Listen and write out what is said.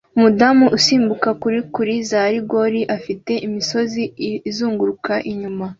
Umudamu usimbuka kuri kuri za rigore afite imisozi izunguruka inyuma